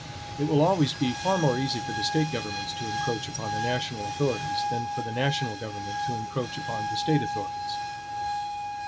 It will always be far more easy for the State governments to encroach upon the national authorities than for the national government to encroach upon the State authorities.